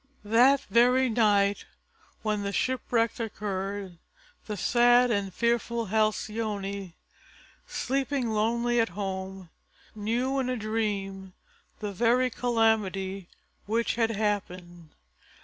That very night when the shipwreck occurred, the sad and fearful Halcyone, sleeping lonely at home, knew in a dream the very calamity which had happened.